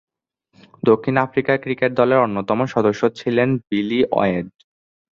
দক্ষিণ Africa cricket দলের অন্যতম সদস্য ছিলেন বিলি ওয়েড।